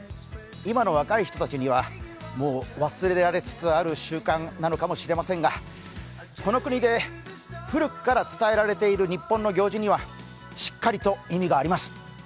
今の若い人たちには、もう忘れられつつある習慣なのかもしれませんがこの国で古くから伝えられている日本の行事にはしっかりと意味があります。